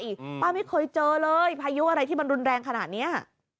ป้าไม่เคยเจอเลยพายุอะไรที่มันรุนแรงขนาดเนี้ย